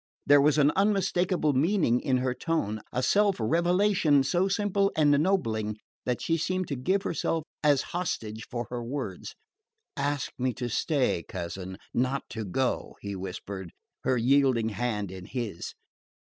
There was an unmistakable meaning in her tone: a self revelation so simple and ennobling that she seemed to give herself as hostage for her words. "Ask me to stay, cousin not to go," he whispered, her yielding hand in his.